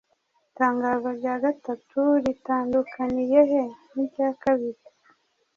Itangazo rya gatatu ritandukaniye he n’irya kabiri?